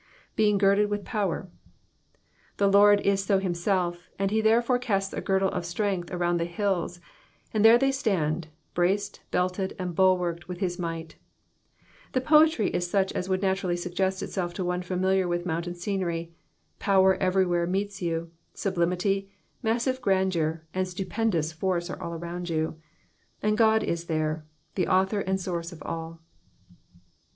''^ Being girded with potoer,'''' The Lord is so himself, and he there fore casts a girdle of strenc^h around the hills, and there they stand, braced, belted, and bulwarked with his might The poetry is such as would naturally suggest itself to one familiar with mountain scenery ; power everywhere meets you, sublimity, massive grandeur, and stupendous force are all around you ; and God is there, the author and source of all.